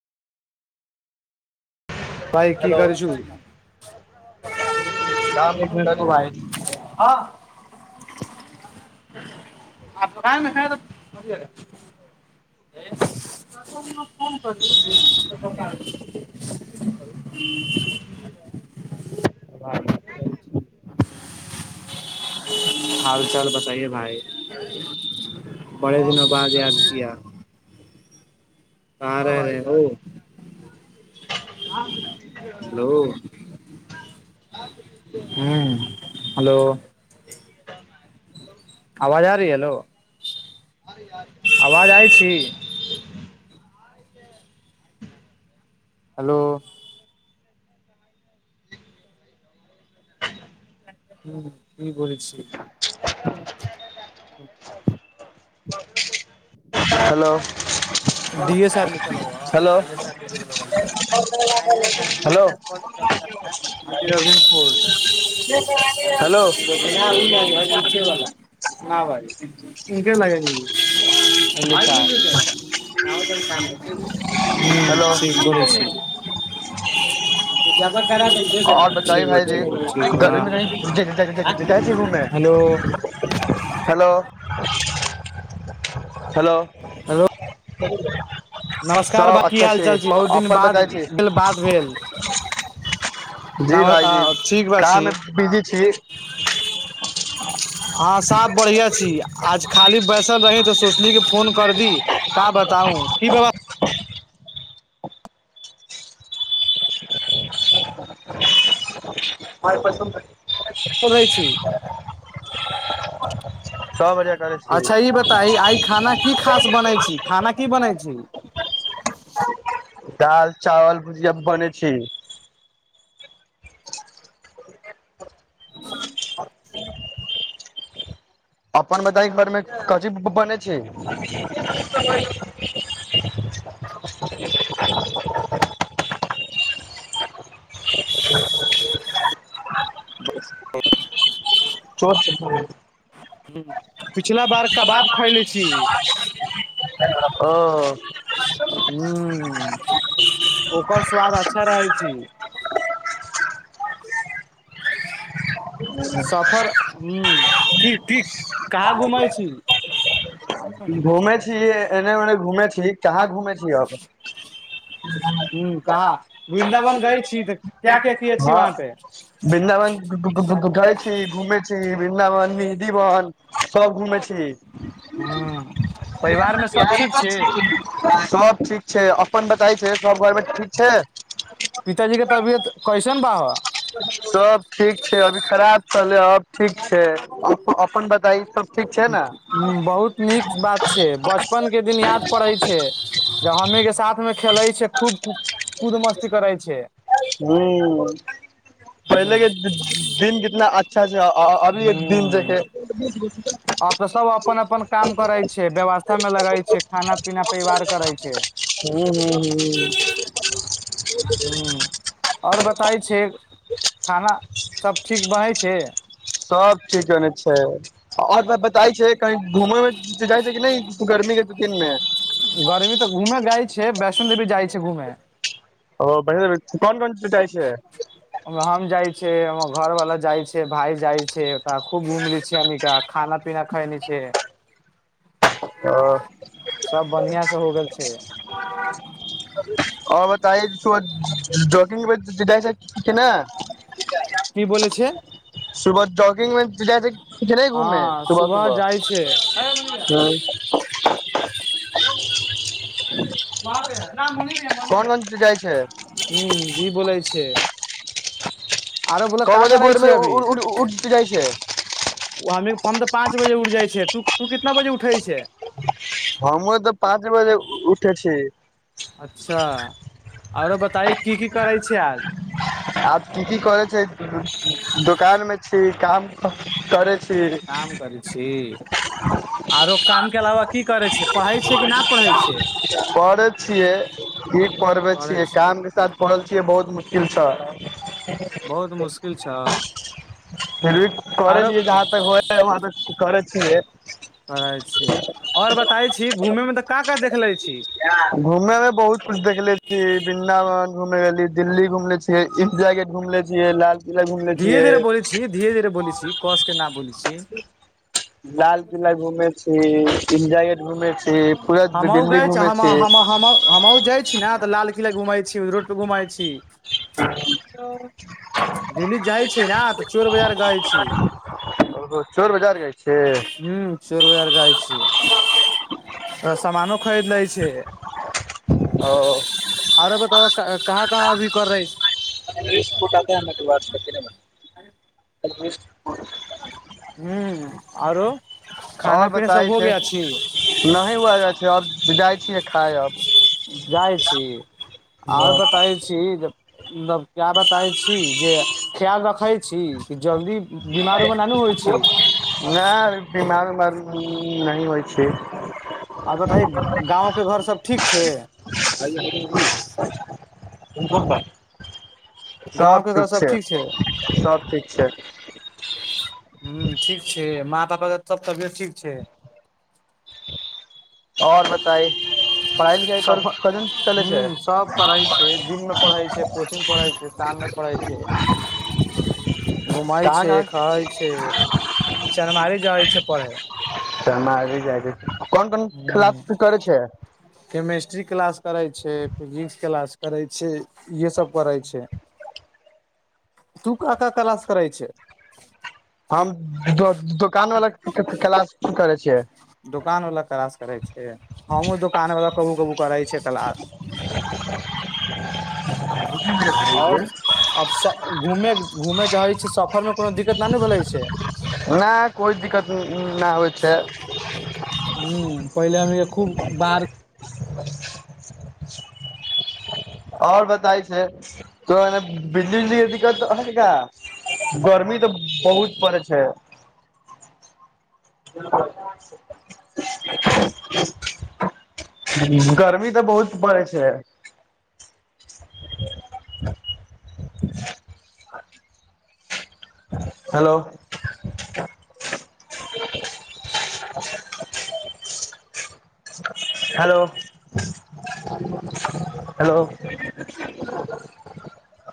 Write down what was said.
भइ की हेलो कर छु काम एक मिनट करै रुको भाई। छी [unintelligible] [unintelligible] [unintelligible] [unintelligible] हाल चाल बताइये भाई बड़े सब दिनों बाद अच्छा याद छै किया। कहाँ हँ रह रहे भाई हो जान हेलो हूँ [unintelligible] हेलो आवाज आ रही है हेलो। आवाज आइ छी। [unintelligible] हेलो हूँ। की बोले छिये। हेलो डी एस आर लिखल हेलो ह्बऽ। हेलो हेलो [unintelligible] न भाई उनके लागि होई। [unintelligible] हूँ हेलो ठीक बोले छी। करा देलकै और बेटा बताई ठीक बा भायजी ठीक बा गर्मी मे कही ठीक जा-जा-जा बा जाय छी घूमे, हेलो हेलो। [unintelligible] हेलो। हेलो [unintelligible] नमस्कार बा, सब की अच्छा हाल-चाल छी, बहुत दिन अपन बाद बताइ छी भेल बात भेल। जी नम भाईजी ठीक बा काममे छी बिजी छी। हँ साब बढ़िआ छी आज खाली बैसल रही तऽ सोचली की फोन कर दी का बताउ की व्यव [unintelligible] पढ़े छी, बढ़िया करै छी अच्छा ई बताई आय खाना की खास बनै छी, खाना की बनै छी। दाल, चावल, भुजिया बनै छी। ह अपन बताई घर मे कथी बनै छी। [unintelligible] ह्म्म। ओ। ह्म्म, ओकर स्वाद अच्छा रहै छी। [unintelligible] सफर ह्म्म की, की कहाँ घुमै छी। घूमे छी, एने-ओने घूमे छी, कहाँ घुमे छी अब। ह कहाँ वृन्दावन गय छी तऽ क्या क्या किए छी हाँ वहाँ पे वृन्दावन [unintelligible] गए छी, घुमे छी। वृन्दावन, निधिवन सब घुमे छी। ह्म्म। सब ठीक छै, अपन बताई छै। सब घर मे ठीक छै, पिताजी के तबियत कैसन बा सब ठीक छै, अभी खराब छलै, अब ठीक छै, अप अपन बताई सब ठीक छै ने उम्म बहुत नीक बात छै, बचपन के दिन याद पड़े छै, जब हमनी के साथ में खेले छै, खूब कु कूद, मस्ती करै छै। ह्म्म पहिले के दिन कितना आ ह्म्म आब ते सब अपन-अपन काम करै छै, व्यवस्था मे लगै छै, खाना-पीना, परिवार करै छै, ह ह ह्म्म। और बताई छै, खाना सब ठीक बहै छै। सब ठीके ने छै और सब बताई छै कही घूमे उमे के जाय छै कि नै ई गर्मी के दिन मे। गर्मी तऽ घूमे जाय छै, वैष्णो देेवी जाय छै घूमे। ओ वैष्णो देवी कौन-कौन च जाय छैै। ओय मे हम जाय छै, हमर घर वला जाय छै, भाय जाय छै। त खूब घुमलै छीये हमी का। खाना-पीना खैएनी छै। हां। सब बढ़ियाँ से हो गेल छै। और बताई सुबह जॉगिंग पे जाय छाय कि ने। की बोले छै। सुबह जॉगिंग मे जाय छै। कि नहि घूमे हाँ सुबह जाय छै। कोन [unintelligible] कोन जाइ छै ह्म्म जी बोलै छै। आरो बोल क का बजे करै भोर छै मे उ-उ-उ-उ उठ उठ जाय छै। उ हमी, हम ते पाँच बजे उठ जाय छै, तू, तू कितना बजे उठै छै। हमियो ते पाँच बजे उठै छी। अच्छा आरो बताई की-की करै छै आज। आज की-की करै छै, दोकान मे छी काम करै काम करै छी आरो काम के अलावा की करै छीये, पढ़ै छीये कि ना पढ़ै छै, पढ़ै छियै की पढ़बै पढ़ै छै। किल स बहुत मुश्किल छा फिर भी करै आरो छियै जहाँ तक होइ वहाँ तक करै छियै पढ़े छीये और बताई छी घुमे मे तऽ का-का दे खेले घुमे मे बहुत कुछ देखले छी, वृन्दावन घुमे गेली। दिल्ली घुमलै छिये, इंडिया गेट घूमले छिये, लाल किला घूमले छियै धीरे-धीरे बोलै छी, धीरे-धीरे बोलै छी, कस के ना बोले छी। ई इंडिया गेट घूमे छी, पूरा दिल्ली घूमे हमा, छी हम, हम हमहु जाय छी ने त लाल किला घुमे छी, रोड पे घुमै छी। दिल्ली जाय छी ना तऽ चोर बजार गैल छी। ओ चोर बजार गय छी। हूँ चोर बजार जाइ छियै त समानो खरीद लै छै, आरो बताबा क कहाँ कहाँ अभी कर रहे छी [unintelligible] [unintelligible] हूं आरो खाना आओर पीना सब बताय हो छै गया छी नहि हुआ जाइ छै अब जाइ छियै खाए अब। जाइ छी। और बताई छी ज उम्म मतलब क्या बताई छी जे ख्याल रखै छी। जल्दी उम्म बीमारूवो ना ने होय छै। नहि [unintelligible] नहि होइ छै आरो बताई गाँंव के घर सब ठीक छै? [unintelligible] सब गाँंव के घर ठीक सब छै सब ठीक छै। हूँ ठीक छै माँ पापा के तब तबियत ठीक छै? आओर बताई। सब हूं सब पढै छै दिन मे पढ़ै छै, कोचिंग पढ़ै छै, शाम मे पढ़ै छै, घूमै कहाँ छै, कहाँ खाई छै, चनमारी जाइ छै पढ़ै। चनमारी जाइ के कोन कोन क्लास तू करै छै? स्ट्री क्लास करै छै, फिजिक्स क्लास करै छै इहे सब पढै छै। तू का का क्लास करै छै? हम दो दोकान वाला के क्लास करै छी। छीयै। दुकान वला क्लास करै छे, हमहुँ दुकान वला कबु कबु करै छै क्लास, आओर अबस घूमे घूमे जैछै सफर मे कोनो दिक्कत ना नु भेलै छै? नहि कोइ दिक्कत नहि होइ छै हूं पहिले अबै खूब बार [unintelligible] आओर बताय छै तोरा एने बिजली उजली के दिक्कतऽ हा गर्मी तऽ बहुत पड़ै छै। [unintelligible] गर्मी तऽ बहुत पड़ै छै। [unintelligible] Hello hello, hello